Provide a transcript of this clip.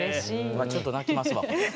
うわちょっと泣きますわこれ。